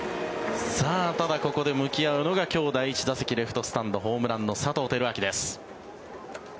ただ、ここで向き合うのが今日、第１打席レフトスタンド、ホームランの佐藤輝明です。